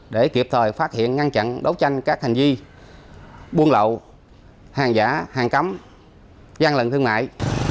để kịp thời phát hiện ngăn chặn đấu tranh các hành vi buôn lậu hàng giả hàng cấm gian lận thương mại